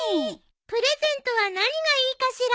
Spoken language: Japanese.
プレゼントは何がいいかしら？